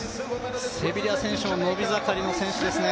セビリア選手も伸び盛りの選手ですね。